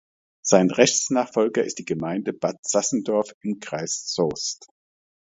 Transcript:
Sein Rechtsnachfolger ist die Gemeinde Bad Sassendorf im Kreis Soest.